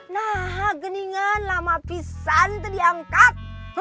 nah geningan lama pisan itu diangkat